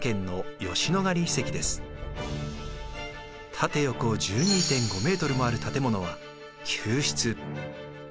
縦横１２．５ｍもある建物は宮室。